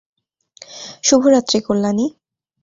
শুভ রাত্রি কল্যাণী।